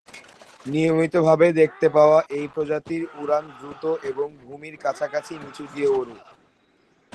নিয়মিত ভাবে দেখতে পাওয়া এই প্রজাতির উড়ান দ্রুত এবং ভূমির কাছাকাছি নিচু দিয়ে ওড়ে।